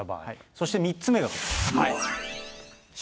そして３つ目がこちら。